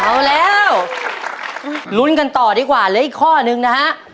เอาแล้วลุ้นกันต่อดีกว่าเหลืออีกข้อนึงนะฮะ